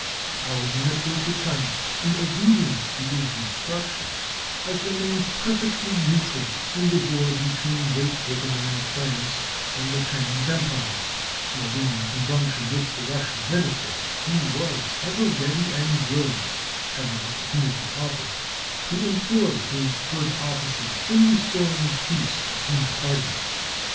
Our minister to China, in obedience to his instructions, has remained perfectly neutral in the war between Great Britain and France and the Chinese Empire, although, in conjunction with the Russian minister, he was ever ready and willing, had the opportunity offered, to employ his good offices in restoring peace between the parties.